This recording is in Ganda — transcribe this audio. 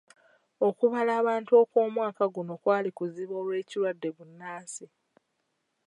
Okubala abantu okw'omwaka guno kwali kuzibu olw'ekirwadde bbunansi.